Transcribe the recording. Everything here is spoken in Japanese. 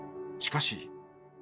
しかし。